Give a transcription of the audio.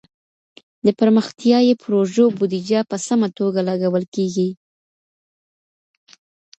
د پرمختيايي پروژو بوديجه په سمه توګه لګول کيږي.